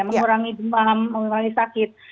mengurangi demam mengurangi sakit